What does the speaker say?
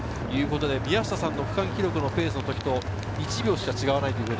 宮下さんの区間記録のベスト、１秒しか違わない。